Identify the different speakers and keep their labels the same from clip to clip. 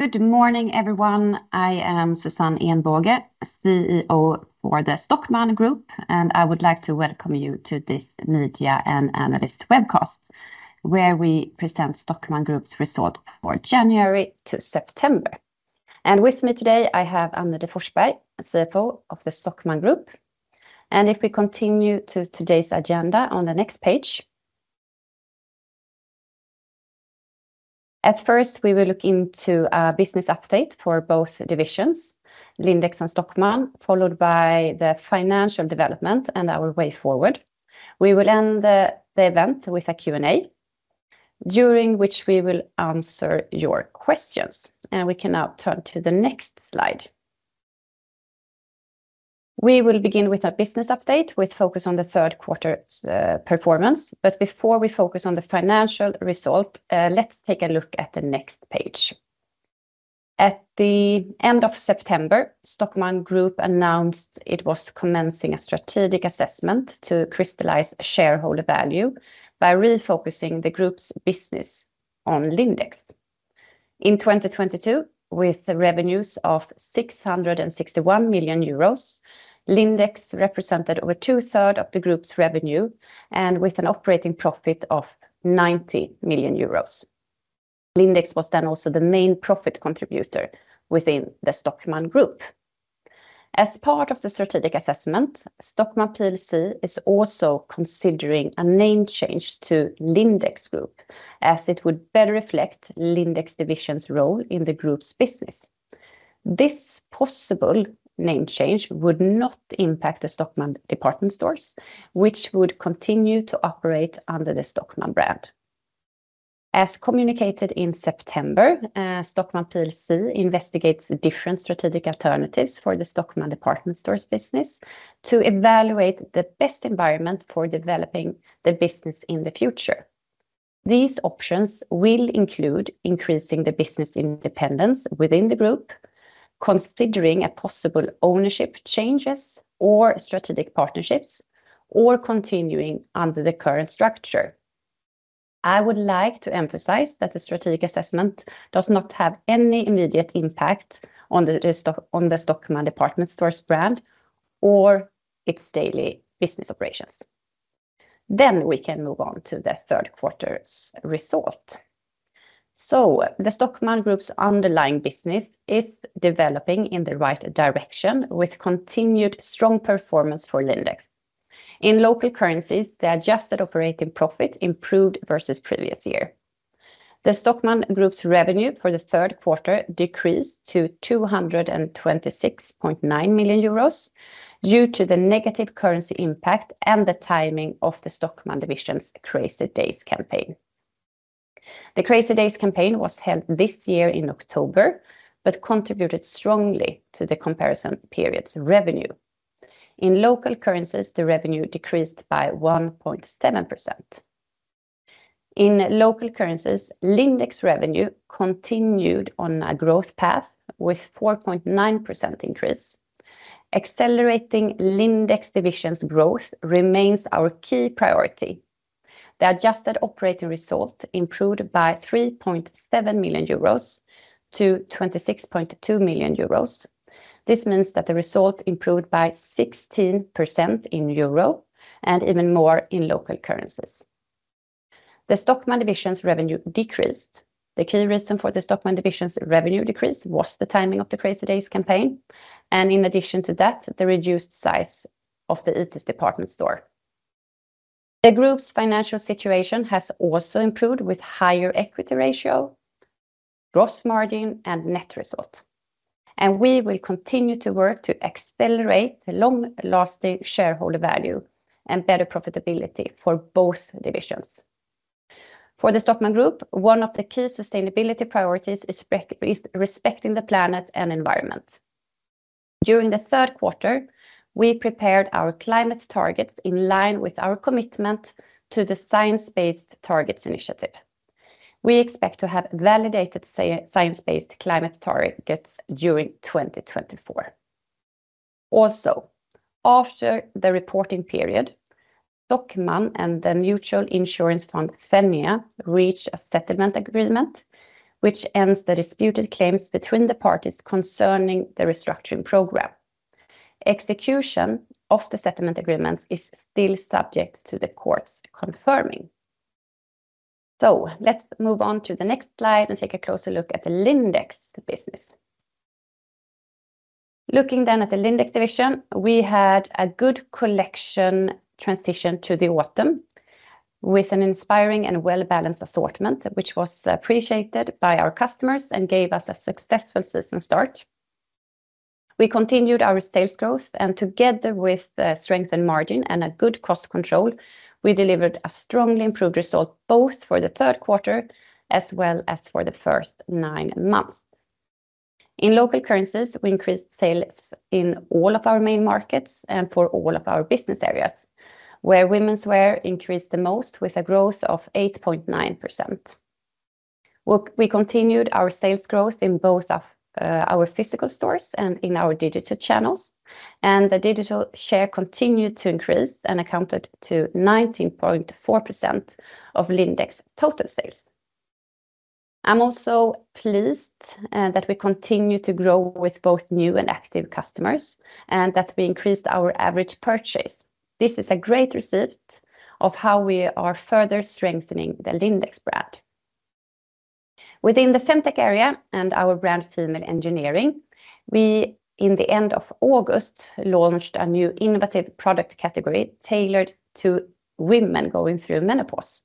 Speaker 1: Good morning, everyone. I am Susanne Ehnbåge, CEO for the Stockmann Group, and I would like to welcome you to this media and analyst webcast, where we present Stockmann Group's result for January to September. With me today, I have Annelie Forsberg, CFO of the Stockmann Group. If we continue to today's agenda on the next page. At first, we will look into a business update for both divisions, Lindex and Stockmann, followed by the financial development and our way forward. We will end the event with a Q&A, during which we will answer your questions, and we can now turn to the next slide. We will begin with a business update with focus on the third quarter performance. Before we focus on the financial result, let's take a look at the next page. At the end of September, Stockmann Group announced it was commencing a strategic assessment to crystallize shareholder value by refocusing the group's business on Lindex. In 2022, with revenues of 661 million euros, Lindex represented over 2/3 of the group's revenue and with an operating profit of 90 million euros. Lindex was then also the main profit contributor within the Stockmann Group. As part of the strategic assessment, Stockmann plc is also considering a name change to Lindex Group, as it would better reflect Lindex division's role in the group's business. This possible name change would not impact the Stockmann department stores, which would continue to operate under the Stockmann brand. As communicated in September, Stockmann plc investigates the different strategic alternatives for the Stockmann department stores business to evaluate the best environment for developing the business in the future. These options will include increasing the business independence within the group, considering a possible ownership changes or strategic partnerships, or continuing under the current structure. I would like to emphasize that the strategic assessment does not have any immediate impact on the Stockmann department stores brand or its daily business operations. Then we can move on to the third quarter's result. So the Stockmann Group's underlying business is developing in the right direction, with continued strong performance for Lindex. In local currencies, the adjusted operating profit improved versus previous year. The Stockmann Group's revenue for the third quarter decreased to 226.9 million euros due to the negative currency impact and the timing of the Stockmann division's Crazy Days campaign. The Crazy Days campaign was held this year in October but contributed strongly to the comparison period's revenue. In local currencies, the revenue decreased by 1.7%. In local currencies, Lindex revenue continued on a growth path with 4.9% increase. Accelerating Lindex division's growth remains our key priority. The adjusted operating result improved by 3.7 million euros to 26.2 million euros. This means that the result improved by 16% in euro and even more in local currencies. The Stockmann division's revenue decreased. The key reason for the Stockmann division's revenue decrease was the timing of the Crazy Days campaign, and in addition to that, the reduced size of the Itis department store. The group's financial situation has also improved, with higher equity ratio, gross margin, and net result, and we will continue to work to accelerate the long-lasting shareholder value and better profitability for both divisions. For the Stockmann Group, one of the key sustainability priorities is respecting the planet and environment. During the third quarter, we prepared our climate targets in line with our commitment to the Science Based Targets initiative. We expect to have validated science-based climate targets during 2024. Also, after the reporting period, Stockmann and the mutual insurance fund, Fennia, reached a settlement agreement, which ends the disputed claims between the parties concerning the restructuring program. Execution of the settlement agreements is still subject to the court's confirming. So let's move on to the next slide and take a closer look at the Lindex business. Looking then at the Lindex division, we had a good collection transition to the autumn, with an inspiring and well-balanced assortment, which was appreciated by our customers and gave us a successful season start. We continued our sales growth, and together with the strength and margin and a good cost control, we delivered a strongly improved result, both for the third quarter as well as for the first nine months. In local currencies, we increased sales in all of our main markets and for all of our business areas, where women's wear increased the most, with a growth of 8.9%. Well, we continued our sales growth in both of our physical stores and in our digital channels, and the digital share continued to increase and accounted to 19.4% of Lindex's total sales. I'm also pleased that we continue to grow with both new and active customers, and that we increased our average purchase. This is a great result of how we are further strengthening the Lindex brand. Within the Femtech area and our brand, Female Engineering, we, in the end of August, launched a new innovative product category tailored to women going through menopause.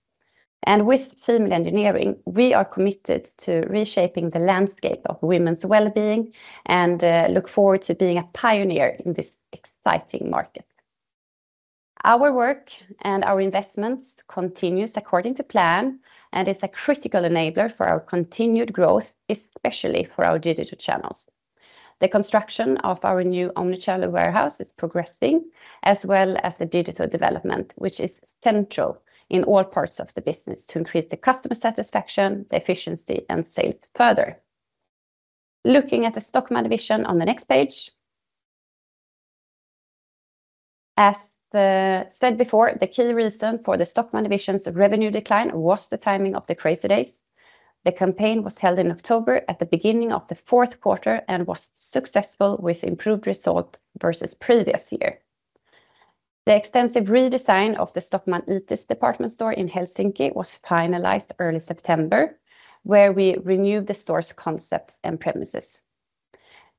Speaker 1: With Female Engineering, we are committed to reshaping the landscape of women's wellbeing and look forward to being a pioneer in this exciting market. Our work and our investments continues according to plan and is a critical enabler for our continued growth, especially for our digital channels. The construction of our new omnichannel warehouse is progressing, as well as the digital development, which is central in all parts of the business to increase the customer satisfaction, the efficiency, and sales further. Looking at the Stockmann Division on the next page. As said before, the key reason for the Stockmann Division's revenue decline was the timing of the Crazy Days. The campaign was held in October at the beginning of the fourth quarter and was successful with improved result versus previous year. The extensive redesign of the Stockmann Itis department store in Helsinki was finalized early September, where we renewed the store's concept and premises.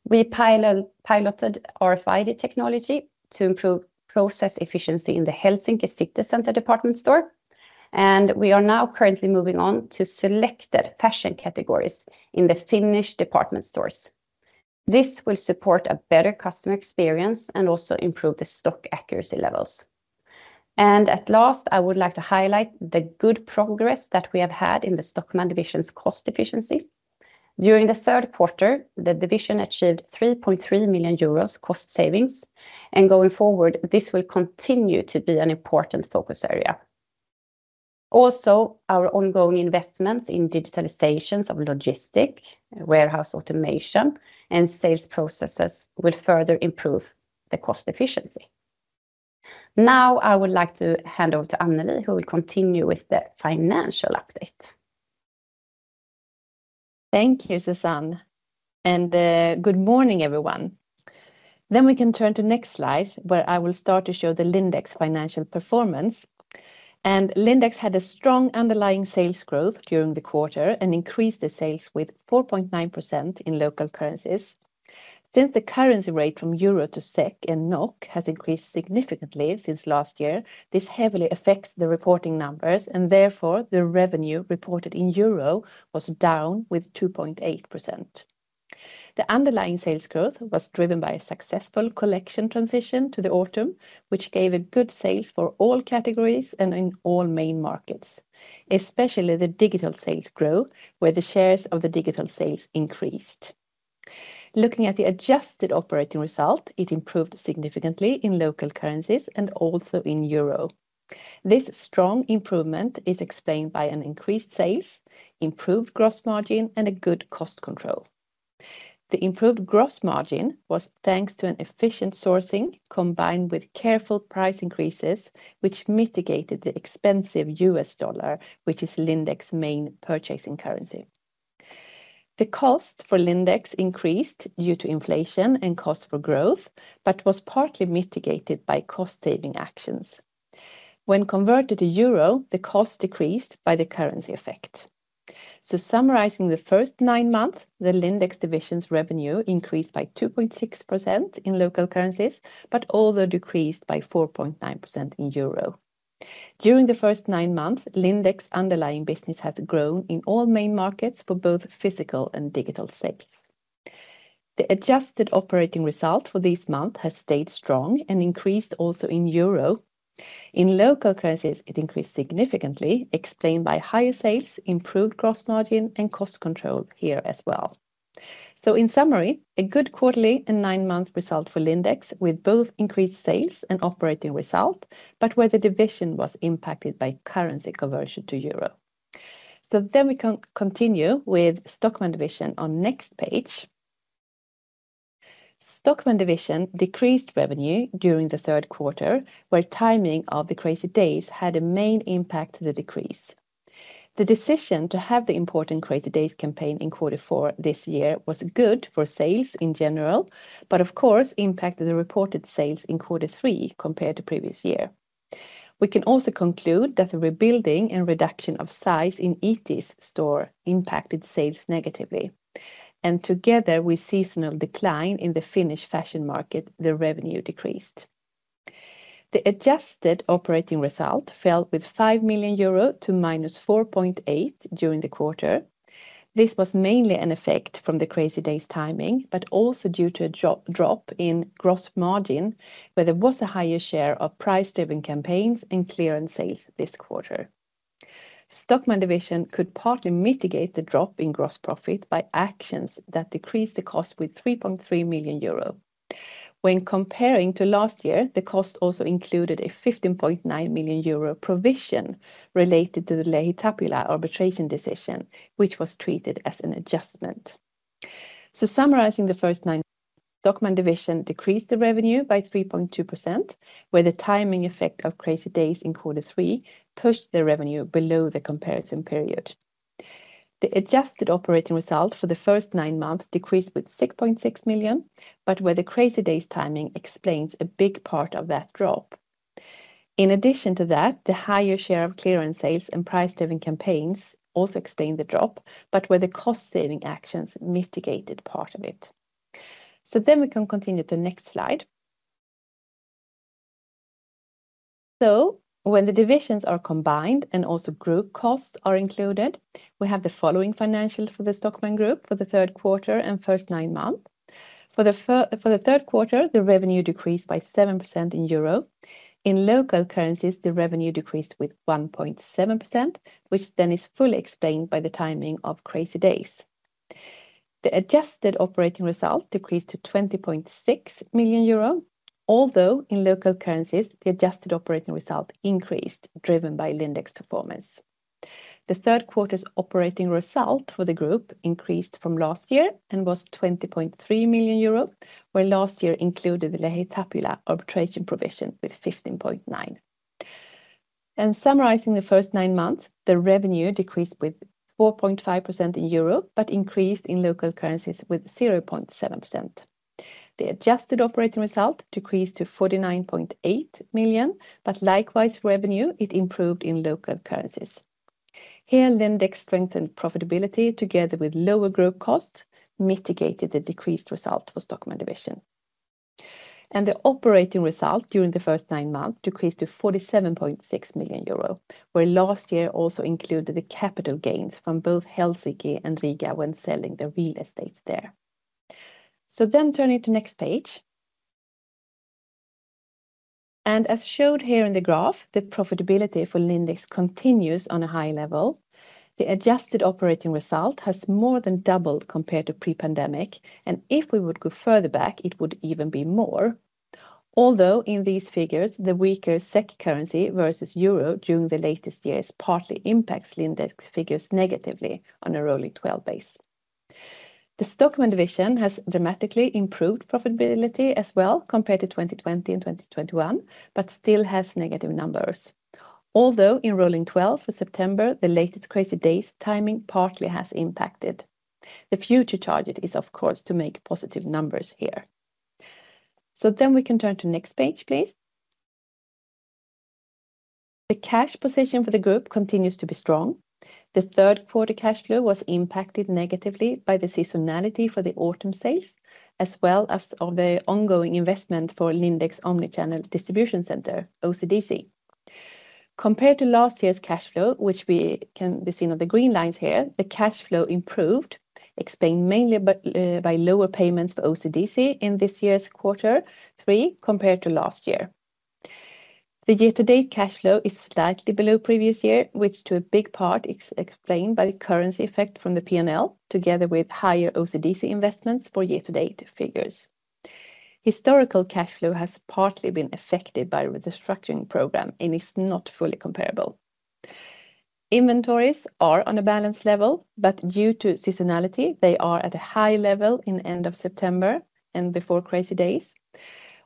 Speaker 1: We piloted RFID technology to improve process efficiency in the Helsinki City Center department store, and we are now currently moving on to selected fashion categories in the Finnish department stores. This will support a better customer experience and also improve the stock accuracy levels. At last, I would like to highlight the good progress that we have had in the Stockmann Division's cost efficiency. During the third quarter, the division achieved 3.3 million euros cost savings, and going forward, this will continue to be an important focus area. Also, our ongoing investments in digitalizations of logistics, warehouse automation, and sales processes will further improve the cost efficiency. Now, I would like to hand over to Annelie, who will continue with the financial update.
Speaker 2: Thank you, Susanne, and good morning, everyone. Then we can turn to next slide, where I will start to show the Lindex financial performance. Lindex had a strong underlying sales growth during the quarter and increased the sales with 4.9% in local currencies. Since the currency rate from euro to SEK and NOK has increased significantly since last year, this heavily affects the reporting numbers, and therefore, the revenue reported in euro was down with 2.8%. The underlying sales growth was driven by a successful collection transition to the autumn, which gave a good sales for all categories and in all main markets, especially the digital sales growth, where the shares of the digital sales increased. Looking at the adjusted operating result, it improved significantly in local currencies and also in euro. This strong improvement is explained by an increased sales, improved gross margin, and a good cost control. The improved gross margin was thanks to an efficient sourcing, combined with careful price increases, which mitigated the expensive U.S. dollar, which is Lindex's main purchasing currency. The cost for Lindex increased due to inflation and cost for growth, but was partly mitigated by cost-saving actions. When converted to euro, the cost decreased by the currency effect. So summarizing the first nine months, the Lindex division's revenue increased by 2.6% in local currencies, but although decreased by 4.9% in euro. During the first nine months, Lindex underlying business has grown in all main markets for both physical and digital sales. The adjusted operating result for this month has stayed strong and increased also in euro. In local currencies, it increased significantly, explained by higher sales, improved gross margin, and cost control here as well. So in summary, a good quarterly and nine-month result for Lindex, with both increased sales and operating result, but where the division was impacted by currency conversion to euro. So then we can continue with Stockmann Division on next page. Stockmann Division decreased revenue during the third quarter, where timing of the Crazy Days had a main impact to the decrease. The decision to have the important Crazy Days campaign in quarter four this year was good for sales in general, but, of course, impacted the reported sales in quarter three compared to previous year. We can also conclude that the rebuilding and reduction of size in Itis store impacted sales negatively, and together with seasonal decline in the Finnish fashion market, the revenue decreased. The adjusted operating result fell with 5 million euro to -4.8 million during the quarter. This was mainly an effect from the Crazy Days timing, but also due to a drop in gross margin, where there was a higher share of price-driven campaigns and clearance sales this quarter. Stockmann Division could partly mitigate the drop in gross profit by actions that decreased the cost with 3.3 million euro. When comparing to last year, the cost also included a 15.9 million euro provision related to the LähiTapiola arbitration decision, which was treated as an adjustment. So summarizing the first nine, Stockmann division decreased the revenue by 3.2%, where the timing effect of Crazy Days in quarter three pushed the revenue below the comparison period. The adjusted operating result for the first nine months decreased with 6.6 million, but where the Crazy Days timing explains a big part of that drop. In addition to that, the higher share of clearance sales and price driving campaigns also explained the drop, but where the cost-saving actions mitigated part of it. So then we can continue to the next slide. So when the divisions are combined and also group costs are included, we have the following financial for the Stockmann Group for the third quarter and first nine months. For the third quarter, the revenue decreased by 7% in euro. In local currencies, the revenue decreased with 1.7%, which then is fully explained by the timing of Crazy Days. The adjusted operating result decreased to 20.6 million euro, although in local currencies, the adjusted operating result increased, driven by Lindex performance. The third quarter's operating result for the group increased from last year and was 20.3 million euro, where last year included the LähiTapiola arbitration provision with 15.9 million. Summarizing the first nine months, the revenue decreased with 4.5% in euro, but increased in local currencies with 0.7%. The adjusted operating result decreased to 49.8 million, but likewise, revenue, it improved in local currencies. Here, Lindex strengthened profitability together with lower group costs, mitigated the decreased result for Stockmann division. The operating result during the first nine months decreased to 47.6 million euro, where last year also included the capital gains from both Helsinki and Riga when selling the real estates there. So then turning to next page. As shown here in the graph, the profitability for Lindex continues on a high level. The adjusted operating result has more than doubled compared to pre-pandemic, and if we would go further back, it would even be more. Although in these figures, the weaker SEK currency versus euro during the latest years partly impacts Lindex figures negatively on a rolling twelve base. The Stockmann division has dramatically improved profitability as well compared to 2020 and 2021, but still has negative numbers. Although in rolling twelve for September, the latest Crazy Days timing partly has impacted. The future target is, of course, to make positive numbers here. So then we can turn to next page, please. The cash position for the group continues to be strong. The third quarter cash flow was impacted negatively by the seasonality for the autumn sales, as well as the ongoing investment for Lindex Omnichannel Distribution Center, OCDC. Compared to last year's cash flow, which can be seen on the green lines here, the cash flow improved, explained mainly by lower payments for OCDC in this year's quarter three compared to last year. The year-to-date cash flow is slightly below previous year, which to a big part is explained by the currency effect from the P&L, together with higher OCDC investments for year-to-date figures. Historical cash flow has partly been affected by the restructuring program and is not fully comparable. Inventories are on a balanced level, but due to seasonality, they are at a high level in end of September and before Crazy Days.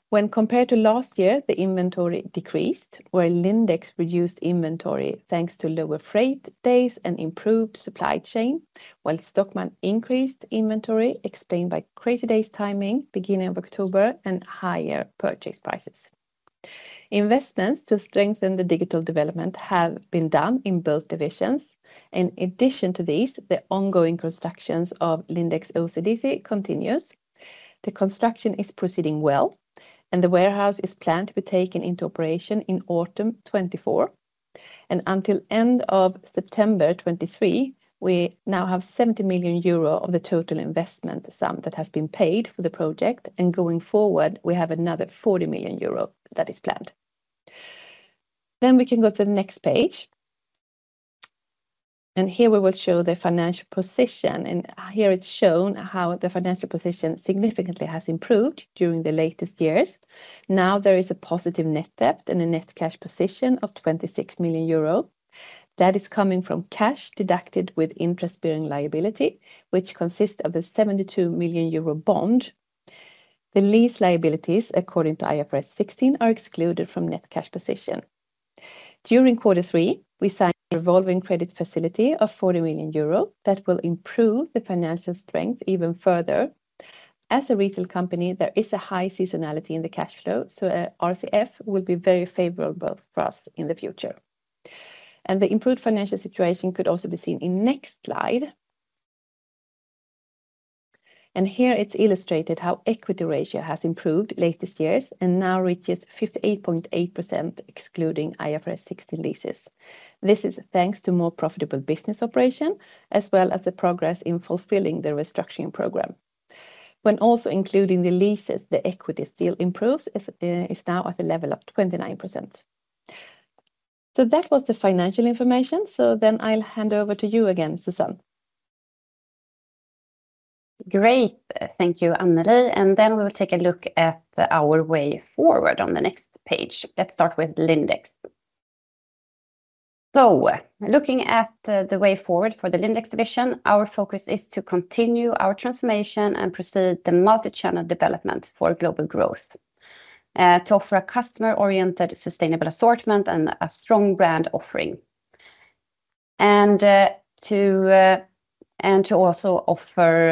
Speaker 2: When compared to last year, the inventory decreased, where Lindex reduced inventory thanks to lower freight days and improved supply chain, while Stockmann increased inventory, explained by Crazy Days timing, beginning of October and higher purchase prices. Investments to strengthen the digital development have been done in both divisions. In addition to these, the ongoing constructions of Lindex OCDC continues. The construction is proceeding well, and the warehouse is planned to be taken into operation in autumn 2024. Until end of September 2023, we now have 70 million euro of the total investment sum that has been paid for the project, and going forward, we have another 40 million euro that is planned. Then we can go to the next page. Here we will show the financial position, and here it's shown how the financial position significantly has improved during the latest years. Now there is a positive net debt and a net cash position of 26 million euro. That is coming from cash deducted with interest-bearing liability, which consists of the 72 million euro bond. The lease liabilities, according to IFRS 16, are excluded from net cash position. During quarter three, we signed a revolving credit facility of 40 million euro that will improve the financial strength even further. As a retail company, there is a high seasonality in the cash flow, so, RCF will be very favorable for us in the future. The improved financial situation could also be seen in next slide. Here it's illustrated how equity ratio has improved latest years and now reaches 58.8%, excluding IFRS 16 leases. This is thanks to more profitable business operation, as well as the progress in fulfilling the restructuring program. When also including the leases, the equity still improves. It is now at a level of 29%. So that was the financial information. So then I'll hand over to you again, Susanne.
Speaker 1: Great. Thank you, Annelie, and then we will take a look at our way forward on the next page. Let's start with Lindex. So looking at the way forward for the Lindex division, our focus is to continue our transformation and proceed the multi-channel development for global growth, to offer a customer-oriented, sustainable assortment and a strong brand offering. And to also offer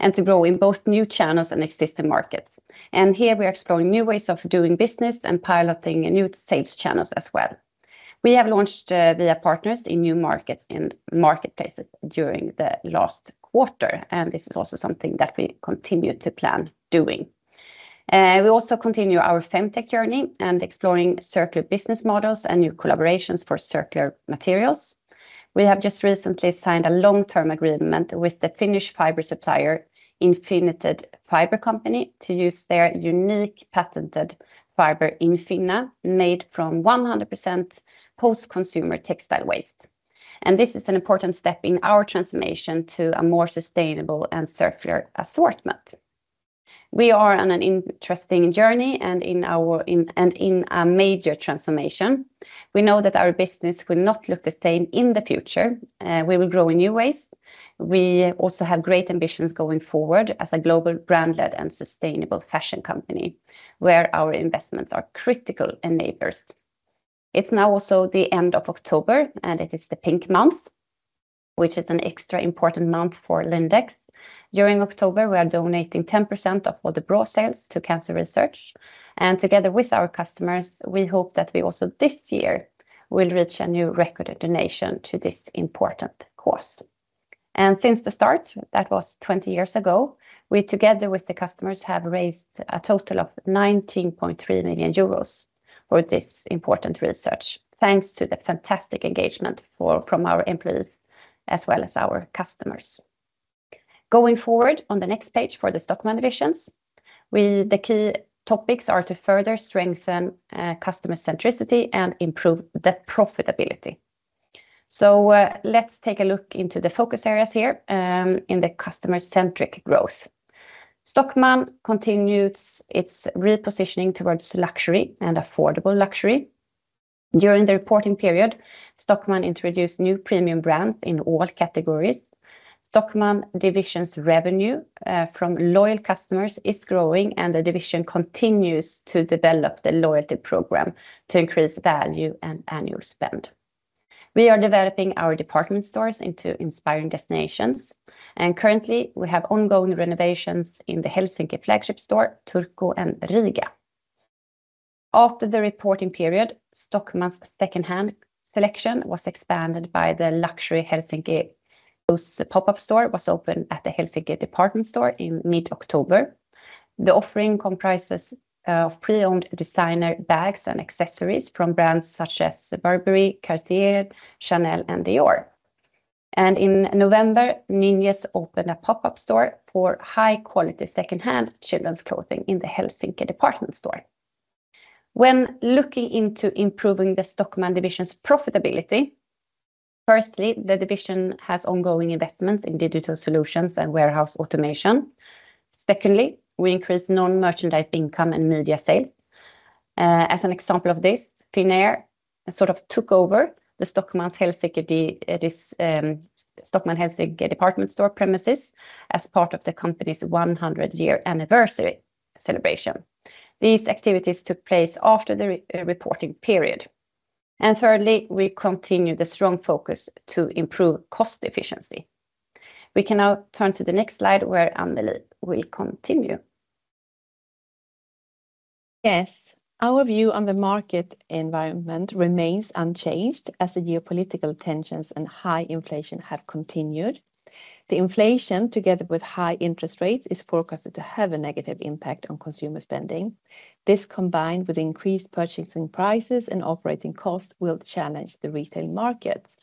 Speaker 1: and to grow in both new channels and existing markets. And here we are exploring new ways of doing business and piloting new sales channels as well. We have launched via partners in new markets and marketplaces during the last quarter, and this is also something that we continue to plan doing. We also continue our Femtech journey and exploring circular business models and new collaborations for circular materials. We have just recently signed a long-term agreement with the Finnish fiber supplier, Infinited Fiber Company, to use their unique patented fiber Infinna, made from 100% post-consumer textile waste. This is an important step in our transformation to a more sustainable and circular assortment. We are on an interesting journey and in a major transformation. We know that our business will not look the same in the future, we will grow in new ways. We also have great ambitions going forward as a global brand-led and sustainable fashion company, where our investments are critical enablers. It's now also the end of October, and it is the Pink month, which is an extra important month for Lindex. During October, we are donating 10% of all the bra sales to cancer research, and together with our customers, we hope that we also this year will reach a new record donation to this important cause. And since the start, that was 20 years ago, we together with the customers, have raised a total of 19.3 million euros for this important research. Thanks to the fantastic engagement from our employees as well as our customers. Going forward, on the next page for the Stockmann divisions, the key topics are to further strengthen customer centricity and improve the profitability. So, let's take a look into the focus areas here, in the customer-centric growth. Stockmann continues its repositioning towards luxury and affordable luxury. During the reporting period, Stockmann introduced new premium brands in all categories. Stockmann division's revenue from loyal customers is growing, and the division continues to develop the loyalty program to increase value and annual spend. We are developing our department stores into inspiring destinations, and currently, we have ongoing renovations in the Helsinki flagship store, Turku, and Riga. After the reporting period, Stockmann's secondhand selection was expanded by the luxury Helsinki Outlet pop-up store, was opened at the Helsinki department store in mid-October. The offering comprises of pre-owned designer bags and accessories from brands such as Burberry, Cartier, Chanel, and Dior. In November, Ninyes opened a pop-up store for high-quality, secondhand children's clothing in the Helsinki department store. When looking into improving the Stockmann division's profitability, firstly, the division has ongoing investments in digital solutions and warehouse automation. Secondly, we increase non-merchandise income and media sales. As an example of this, Finnair sort of took over the Stockmann Helsinki, this, Stockmann Helsinki department store premises as part of the company's 100-year anniversary celebration. These activities took place after the reporting period. And thirdly, we continue the strong focus to improve cost efficiency. We can now turn to the next slide, where Annelie will continue.
Speaker 2: Yes, our view on the market environment remains unchanged as the geopolitical tensions and high inflation have continued. The inflation, together with high interest rates, is forecasted to have a negative impact on consumer spending. This, combined with increased purchasing prices and operating costs, will challenge the retail markets.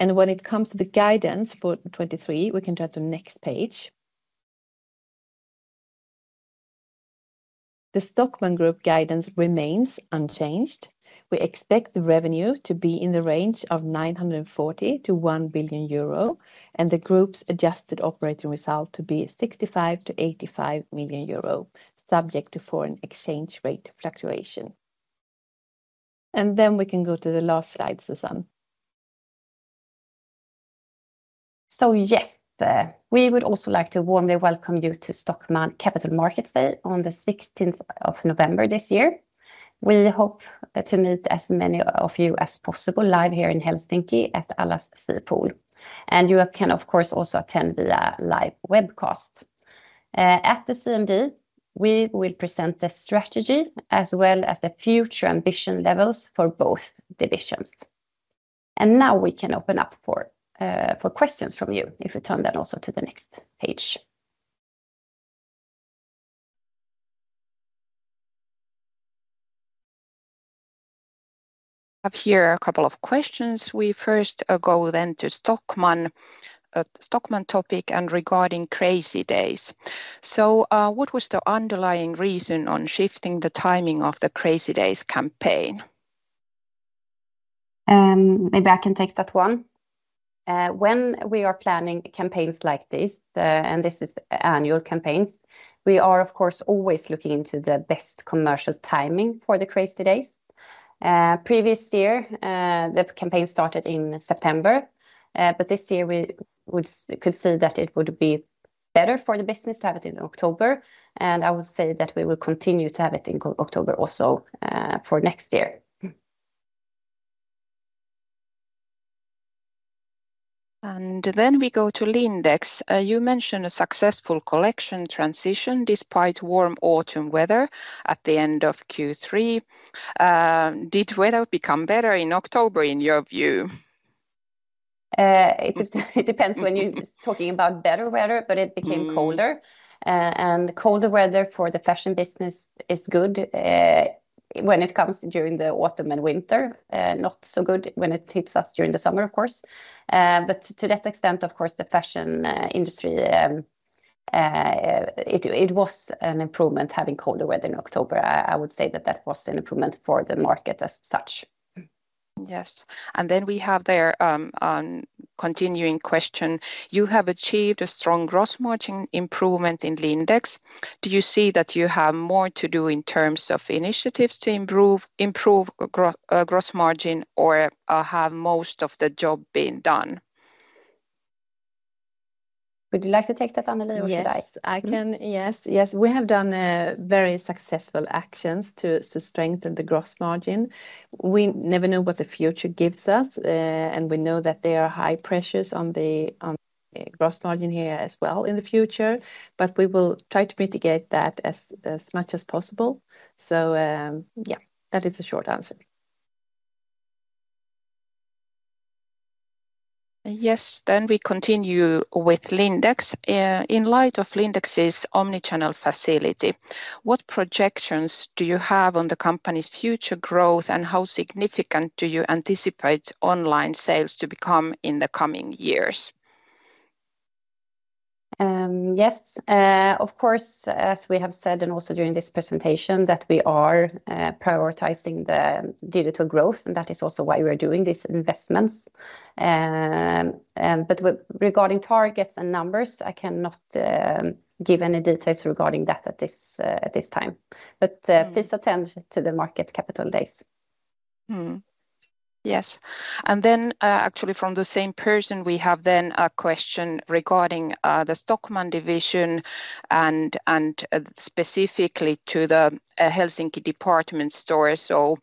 Speaker 2: When it comes to the guidance for 2023, we can turn to next page. The Stockmann Group guidance remains unchanged. We expect the revenue to be in the range of 940 million-1 billion euro, and the group's adjusted operating result to be 65 million-85 million euro, subject to foreign exchange rate fluctuation. We can go to the last slide, Susanne.
Speaker 1: So yes, we would also like to warmly welcome you to Stockmann Capital Markets Day on the sixteenth of November this year. We hope to meet as many of you as possible live here in Helsinki at Allas Sea Pool, and you can, of course, also attend via live webcast. At the CMD, we will present the strategy as well as the future ambition levels for both divisions. And now we can open up for for questions from you if we turn that also to the next page.
Speaker 3: Up here, a couple of questions. We first go then to Stockmann, Stockmann topic and regarding Crazy Days. So, what was the underlying reason on shifting the timing of the Crazy Days campaign?
Speaker 1: Maybe I can take that one. When we are planning campaigns like this, and this is annual campaigns, we are, of course, always looking into the best commercial timing for the Crazy Days. Previous year, the campaign started in September, but this year we could see that it would be better for the business to have it in October, and I would say that we will continue to have it in October also, for next year.
Speaker 3: Then we go to Lindex. You mentioned a successful collection transition despite warm autumn weather at the end of Q3. Did weather become better in October, in your view?
Speaker 1: It depends when you're talking about better weather, but it became colder.
Speaker 3: Mm.
Speaker 1: Colder weather for the fashion business is good when it comes during the autumn and winter. Not so good when it hits us during the summer, of course. To that extent, of course, the fashion industry, it was an improvement having colder weather in October. I would say that that was an improvement for the market as such.
Speaker 3: Yes. And then we have there, on continuing question, you have achieved a strong gross margin improvement in Lindex. Do you see that you have more to do in terms of initiatives to improve gross margin, or have most of the job been done?
Speaker 1: Would you like to take that, Annelie, or should I?
Speaker 2: Yes, I can. Yes, yes, we have done very successful actions to strengthen the gross margin. We never know what the future gives us, and we know that there are high pressures on the gross margin here as well in the future, but we will try to mitigate that as much as possible. So, yeah, that is the short answer.
Speaker 3: Yes, then we continue with Lindex. In light of Lindex's omni-channel facility, what projections do you have on the company's future growth, and how significant do you anticipate online sales to become in the coming years?
Speaker 1: Yes. Of course, as we have said, and also during this presentation, that we are prioritizing the digital growth, and that is also why we're doing these investments. But with regarding targets and numbers, I cannot give any details regarding that at this time. But
Speaker 3: Mm
Speaker 1: please attend the Capital Markets Day.
Speaker 3: Mm-hmm. Yes, and then, actually, from the same person, we have then a question regarding the Stockmann division and, and specifically to the Helsinki department store. So,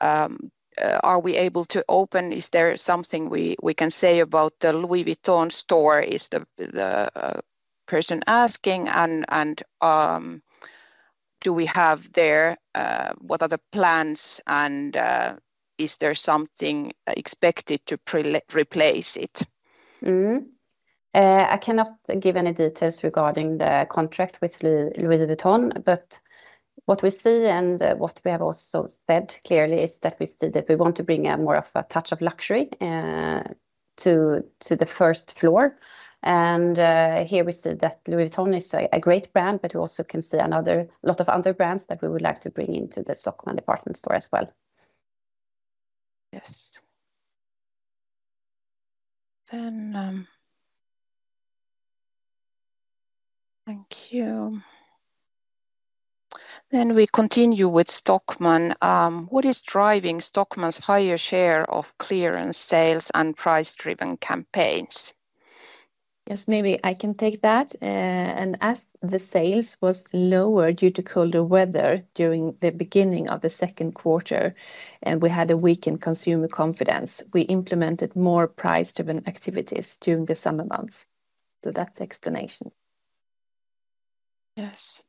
Speaker 3: are we able to open is there something we, we can say about the Louis Vuitton store, is the, the person asking, and, and do we have there what are the plans, and is there something expected to replace it?
Speaker 1: Mm-hmm. I cannot give any details regarding the contract with Louis Vuitton, but what we see, and what we have also said clearly, is that we see that we want to bring a more of a touch of luxury, to, to the first floor. Here we see that Louis Vuitton is a great brand, but we also can see another, lot of other brands that we would like to bring into the Stockmann department store as well.
Speaker 3: Yes. Then, thank you. Then we continue with Stockmann. What is driving Stockmann's higher share of clearance sales and price-driven campaigns?
Speaker 2: Yes, maybe I can take that. As the sales was lower due to colder weather during the beginning of the second quarter, and we had a weakened consumer confidence, we implemented more price-driven activities during the summer months. That's the explanation.
Speaker 3: Yes.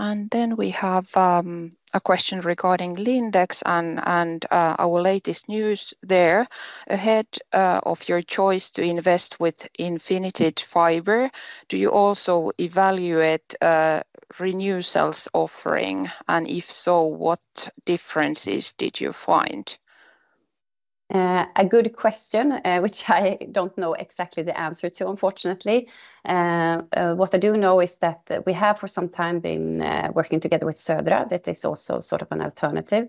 Speaker 3: And then we have a question regarding Lindex and our latest news there. Ahead of your choice to invest with Infinited Fiber, do you also evaluate Renewcell offering? And if so, what differences did you find?
Speaker 1: A good question, which I don't know exactly the answer to, unfortunately. What I do know is that we have, for some time, been working together with Södra. That is also sort of an alternative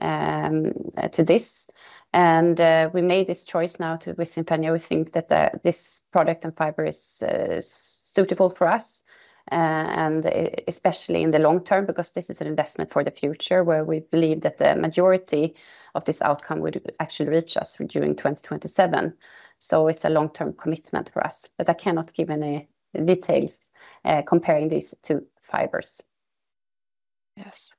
Speaker 1: to this. We made this choice now with Infinna, we think that this product and fiber is suitable for us, and especially in the long term, because this is an investment for the future, where we believe that the majority of this outcome would actually reach us during 2027. So it's a long-term commitment for us, but I cannot give any details comparing these two fibers.
Speaker 3: Yes.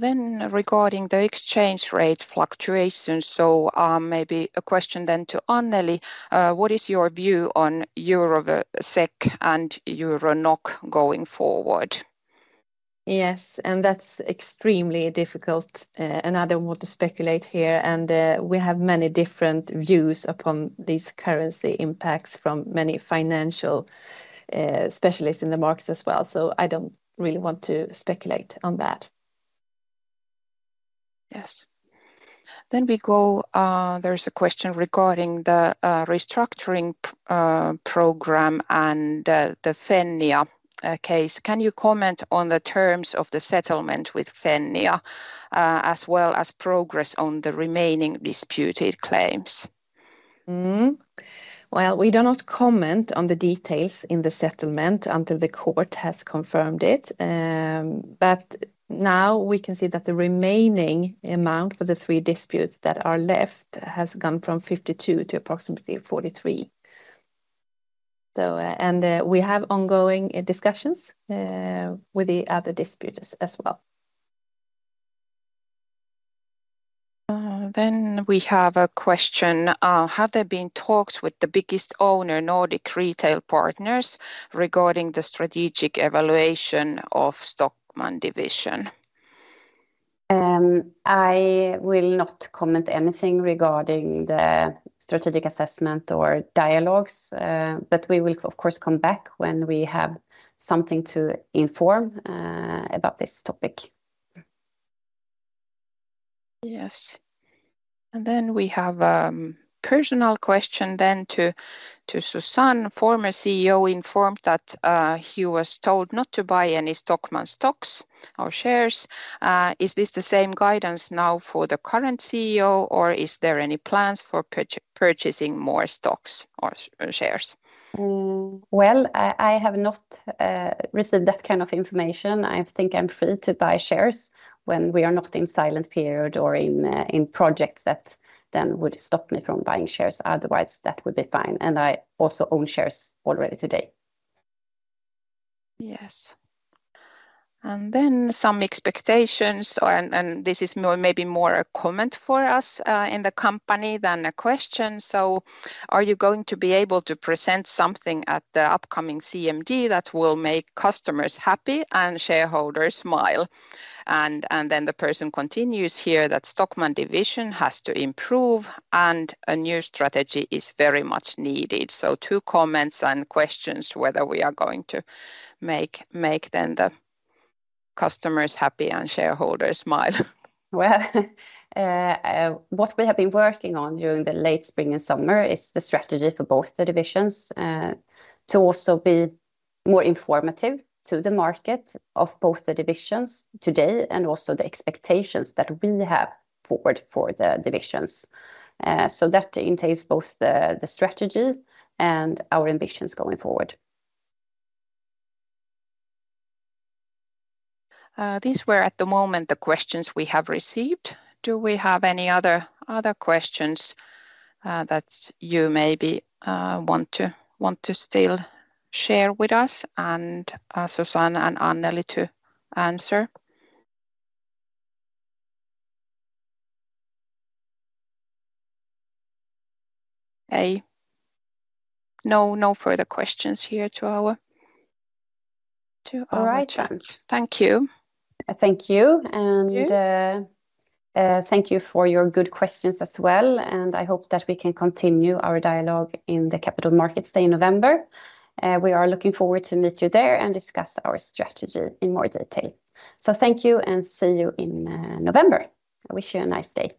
Speaker 3: Then regarding the exchange rate fluctuations, so, maybe a question then to Annelie. What is your view on euro-SEK and euro-NOK going forward?
Speaker 2: Yes, and that's extremely difficult, and I don't want to speculate here. And, we have many different views upon these currency impacts from many financial, specialists in the markets as well, so I don't really want to speculate on that.
Speaker 3: Yes. Then we go, there is a question regarding the restructuring program and the Fennia case. Can you comment on the terms of the settlement with Fennia as well as progress on the remaining disputed claims?
Speaker 1: Mm-hmm. Well, we do not comment on the details in the settlement until the court has confirmed it. But now we can see that the remaining amount for the three disputes that are left has gone from 52 to approximately 43. So, we have ongoing discussions with the other disputants as well.
Speaker 3: Then we have a question: Have there been talks with the biggest owner, Nordic Retail Partners, regarding the strategic evaluation of the Stockmann division?
Speaker 1: I will not comment anything regarding the strategic assessment or dialogues, but we will, of course, come back when we have something to inform about this topic.
Speaker 3: Yes. And then we have a personal question to Susanne, former CEO, informed that he was told not to buy any Stockmann stocks or shares. Is this the same guidance now for the current CEO, or is there any plans for purchasing more stocks or shares?
Speaker 1: Well, I have not received that kind of information. I think I'm free to buy shares when we are not in silent period or in projects that then would stop me from buying shares. Otherwise, that would be fine, and I also own shares already today.
Speaker 3: Yes. And then some expectations, or and, and this is more, maybe more a comment for us in the company than a question: So are you going to be able to present something at the upcoming CMD that will make customers happy and shareholders smile? And, and then the person continues here that Stockmann division has to improve, and a new strategy is very much needed. So two comments and questions whether we are going to make then the customers happy and shareholders smile.
Speaker 1: Well, what we have been working on during the late spring and summer is the strategy for both the divisions, to also be more informative to the market of both the divisions today and also the expectations that we have forward for the divisions. So that entails both the strategy and our ambitions going forward.
Speaker 3: These were, at the moment, the questions we have received. Do we have any other, other questions that you maybe want to still share with us and Susanne and Annelie to answer? No, no further questions here to our chat.
Speaker 1: All right.
Speaker 3: Thank you.
Speaker 1: Thank you.
Speaker 3: Thank you.
Speaker 1: Thank you for your good questions as well, and I hope that we can continue our dialogue in the Capital Markets Day in November. We are looking forward to meet you there and discuss our strategy in more detail. So thank you, and see you in November. I wish you a nice day.